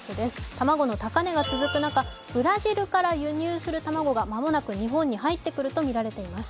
卵の高値が続く中ブラジルから輸入する卵が間もなく日本に入ってくるとみられています。